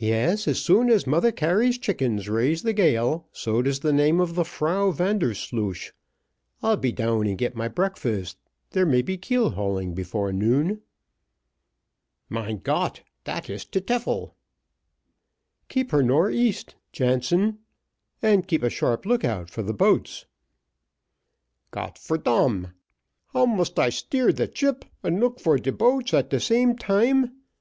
"Yes, as sure as Mother Carey's chickens raise the gale, so does the name of the Frau Vandersloosh. I'll be down and get my breakfast, there may be keel hauling before noon." "Mein Got dat is de tyfel." "Keep her nor east, Jansen, and keep a sharp look out for the boats." "Got for dam how must I steer the chip and look for de boats at de same time?